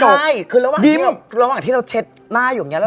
เราตัวเราในกระจกยิ้มใช่คือระหว่างที่เราเช็ดหน้าอยู่อย่างนี้